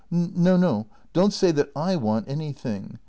— No, no — don't say that I want anything!